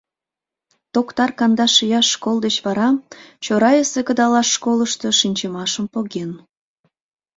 Токтар кандашияш школ деч вара Чорайысе кыдалаш школышто шинчымашым поген.